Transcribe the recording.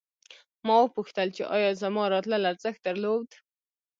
ما وپوښتل چې ایا زما راتلل ارزښت درلود